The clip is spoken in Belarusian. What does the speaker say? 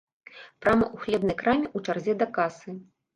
Прама ў хлебнай краме ў чарзе да касы.